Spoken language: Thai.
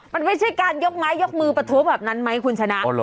มันไม่ใช่การยกไม้ยกมือประท้วงแบบนั้นไหมคุณชนะ